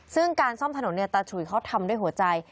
ซึ่งการซ่อมถนนเนี่ยตาฉุยเขาทำด้วยหัวใจ